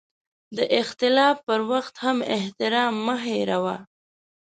د اختلاف پر وخت هم احترام مه هېروه.